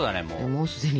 もうすでにね。